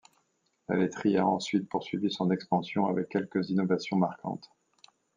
La laiterie a ensuite poursuivi son expansion, avec quelques innovations marquantes.